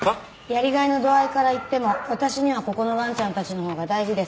やりがいの度合いからいっても私にはここのわんちゃんたちのほうが大事ですから。